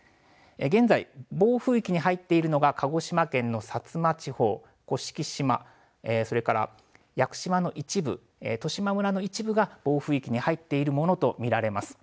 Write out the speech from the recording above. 現在、暴風域に入っているのが鹿児島県の薩摩地方甑島、それから屋久島の一部、十島村の一部が暴風域に入っているものと見られます。